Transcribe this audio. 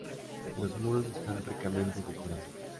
Los muros están ricamente decorados.